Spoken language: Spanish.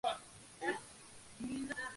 Ellos luego fueron excomulgados.